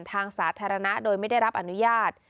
ทางสาธารณะโดยไม่ได้รับอนุญาต